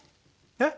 えっ？